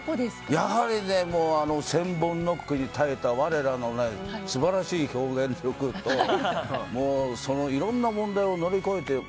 やはりね、１０００本ノックに耐えた我らの素晴らしい表現力とそのいろんな問題を乗り越えて。